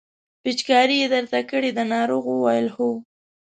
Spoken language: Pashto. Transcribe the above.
پېچکاري یې درته کړې ده ناروغ وویل هو.